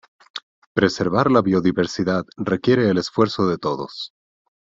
Preservar la biodiversidad requiere el esfuerzo de todos.